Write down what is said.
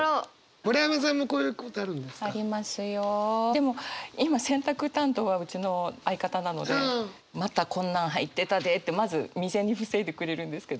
でも今洗濯担当はうちの相方なのでまたこんなん入ってたでってまず未然に防いでくれるんですけどね。